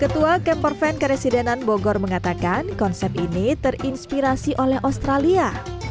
ketua kemporven keresidenan bogor mengatakan konsep ini terinspirasi oleh australia